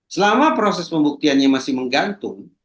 selama proses pembuktiannya masih menggantung